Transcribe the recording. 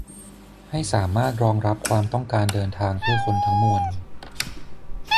ให้สามารถรองรับความต้องการเดินทางเพื่อคนทั้งมวล